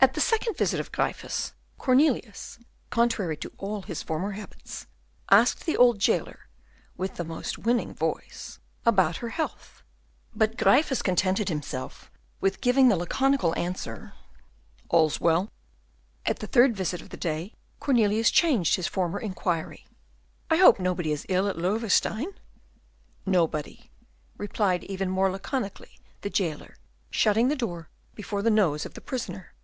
At the second visit of Gryphus, Cornelius, contrary to all his former habits, asked the old jailer, with the most winning voice, about her health; but Gryphus contented himself with giving the laconical answer, "All's well." At the third visit of the day, Cornelius changed his former inquiry: "I hope nobody is ill at Loewestein?" "Nobody," replied, even more laconically, the jailer, shutting the door before the nose of the prisoner.